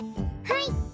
はい！